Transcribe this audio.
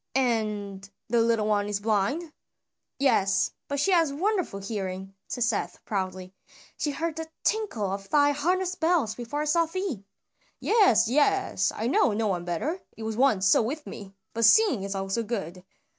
And the little one is blind?" "Yes, but she hath wonderful hearing," said Seth proudly. "She heard the tinkle of thy harness bells before I saw thee." "Yes, yes! I know, no one better, it was once so with me, but seeing is also good.